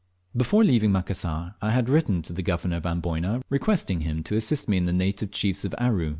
Before leaving Macassar, I had written to the Governor of Amboyna requesting him to assist me with the native chiefs of Aru.